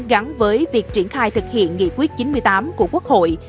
gắn với việc triển khai thực hiện nghị quyết chín mươi tám của quốc hội